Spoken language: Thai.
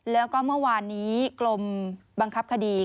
แล้วก็เมื่อวานนี้กรมบังคับคดี